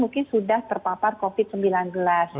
mungkin sudah terpapar covid sembilan belas